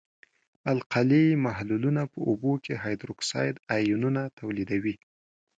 القلي محلولونه په اوبو کې هایدروکساید آیونونه تولیدوي.